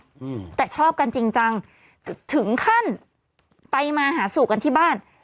อืมแต่ชอบกันจริงจังถึงขั้นไปมาหาสู่กันที่บ้าน